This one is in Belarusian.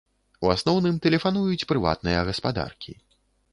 У асноўным тэлефануюць прыватныя гаспадаркі.